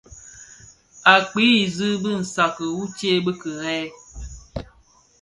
Å kpii zig bi nsàdki wu ctsee (bi kirèè).